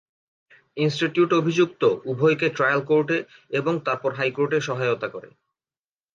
Institute অভিযুক্ত উভয়কে trial কোর্টে এবং তারপর হাইকোর্টে সহায়তা করে।